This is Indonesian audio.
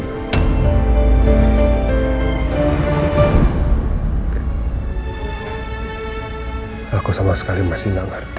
hai aku sama sekali masih nggak ngerti